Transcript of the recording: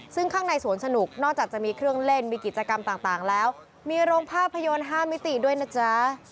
ซึ่งข้างในสวนสนุกนอกจากจะมีเครื่องเล่นมีกิจกรรมต่างแล้วมีโรงภาพยนตร์๕มิติด้วยนะจ๊ะ